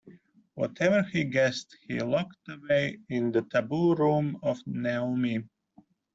Whatever he guessed he locked away in the taboo room of Naomi.